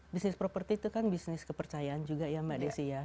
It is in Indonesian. bisnis properti itu kan bisnis kepercayaan juga ya mbak desi ya